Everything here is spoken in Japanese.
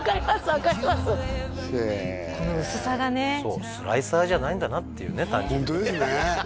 分かりますへえこの薄さがねそうスライサーじゃないんだなっていうねホントですね